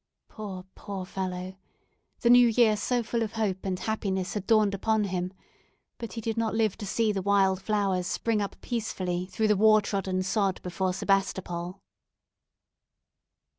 Poor, poor fellow! the New Year so full of hope and happiness had dawned upon him, but he did not live to see the wild flowers spring up peacefully through the war trodden sod before Sebastopol.